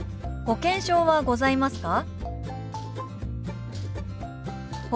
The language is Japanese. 「保険証はございますか？」。